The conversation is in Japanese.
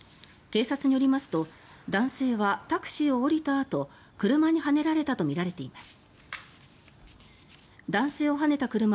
警察によりますと男性はタクシーを降りたあと車にはねられたとみられています。